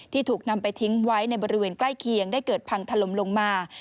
ถูกนำไปทิ้งไว้ในบริเวณใกล้เคียงได้เกิดพังถล่มลงมา